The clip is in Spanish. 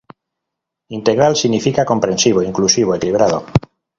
Integral significa comprensivo, inclusivo, equilibrado.